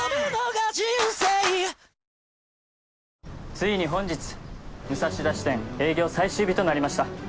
ついに本日武蔵田支店営業最終日となりました。